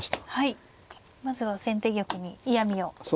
まずは先手玉に嫌みをつけて。